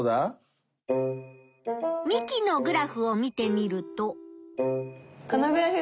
ミキのグラフを見てみると。